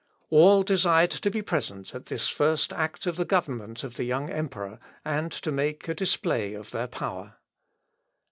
All desired to be present at this first act of the government of the young emperor, and to make a display of their power.